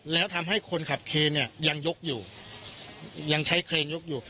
แล้วทำให้คนขับเครนเนี่ยยังยกอยู่ยังใช้เครนยกอยู่